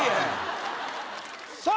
さあ